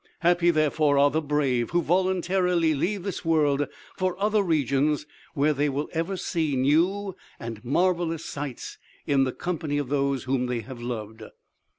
"Happy, therefore, are the brave who voluntarily leave this world for other regions where they will ever see new and marvelous sights in the company of those whom they have loved!